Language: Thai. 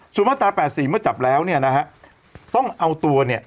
ส่วนมาตรา๘๔เมื่อจับแล้วเนี่ยนะฮะต้องเอาตัวเนี่ย